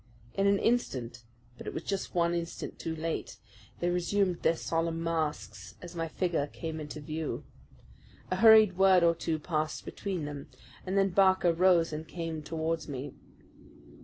In an instant but it was just one instant too late they resumed their solemn masks as my figure came into view. A hurried word or two passed between them, and then Barker rose and came towards me.